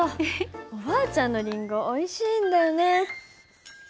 おばあちゃんのりんごおいしいんだよね。